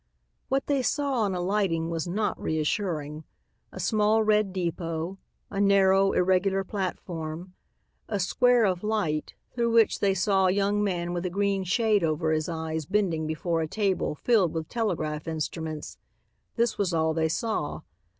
What they saw on alighting was not reassuring. A small red depot, a narrow, irregular platform, a square of light through which they saw a young man with a green shade over his eyes bending before a table filled with telegraph instruments; this was all they saw.